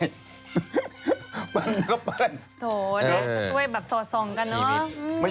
เปิ้ลมันก็เปิ้ลโถเนี่ยช่วยแบบโสดส่งกันเนอะ